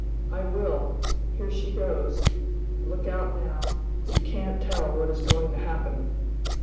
"I will. Here she goes! Look out now. You can't tell what is going to happen."